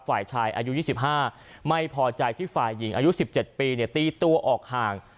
ฝ่ายชายอายุ๒๕ไม่พอใจที่ฝ่ายหญิงอายุ๑๗ปีตีตัวออกห่าง